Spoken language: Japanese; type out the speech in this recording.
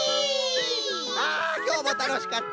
あきょうもたのしかった！